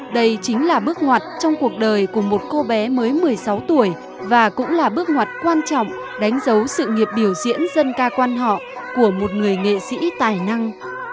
đây chính là bước ngoặt trong cuộc đời của một cô bé mới một mươi sáu tuổi và cũng là bước ngoặt quan trọng đánh dấu sự nghiệp biểu diễn dân ca quan họ của một người nghệ sĩ tài năng